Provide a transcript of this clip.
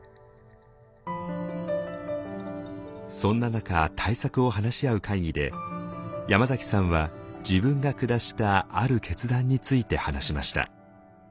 そんな中対策を話し合う会議で山崎さんは自分が下したある決断について話しました。